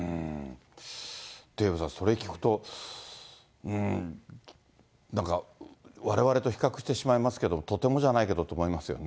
デーブさん、それ聞くと、うーん、なんかわれわれと比較してしまいますけども、とてもじゃないけどと思いますよね。